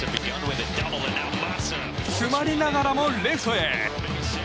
詰まりながらもレフトへ。